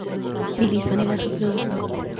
Billy Swan era su productor.